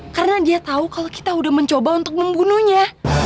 karena dia tau kalau kita udah mencoba untuk membunuhnya